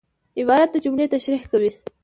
عبارت د جملې تشریح کوي.